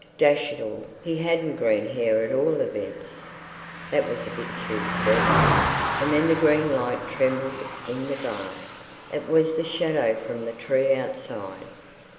Dash it all, he hadn't green hair at all events. That was a bit too steep. And then the green light trembled in the glass; it was the shadow from the tree outside.